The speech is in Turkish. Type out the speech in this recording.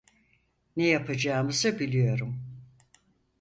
Ne yapacağımızı biliyorum.